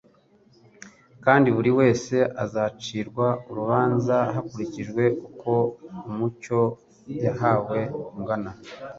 kandi buri wese azacirwa urubanza hakurikijwe uko umucyo yahawe ungana